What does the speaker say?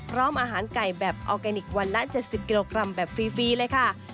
พร้อมอาหารไก่แบบออร์แกนิควันละ๗๐กิโลกรัมแบบฟรีเลยค่ะ